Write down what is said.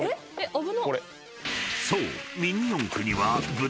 ［そう］